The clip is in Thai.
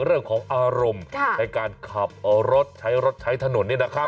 เรื่องของอารมณ์ในการขับรถใช้รถใช้ถนน